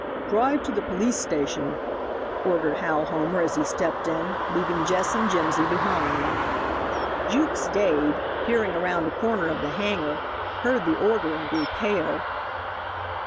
"Drive to the police station," ordered Hal Homer as he stepped in, leaving Jess and Jimsy behind. Jukes Dade, peering around a corner of the hangar, heard the order and grew pale.